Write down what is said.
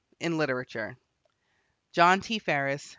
in literature." _John T. Faris, D.